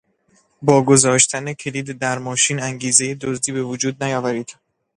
با گذاشتن کلید در ماشین انگیزهی دزدی به وجود نیاورید!